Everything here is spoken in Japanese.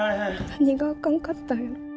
何があかんかったんやろ。